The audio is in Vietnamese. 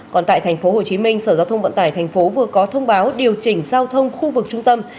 còn tại tp hcm sở giao thông vận tải tp vừa có thông báo điều chỉnh giao thông khu vực trung tâm